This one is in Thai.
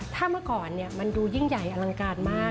ถ้าเมื่อก่อนมันดูยิ่งใหญ่อลังการมาก